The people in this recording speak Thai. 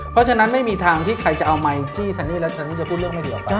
เพราะฉะนั้นไม่มีทางที่ใครจะเอาไมค์จี้ซันนี่แล้วฉันนี่จะพูดเรื่องไม่ดีออกไป